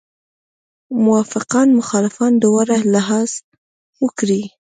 موافقان مخالفان دواړه لحاظ وکړي.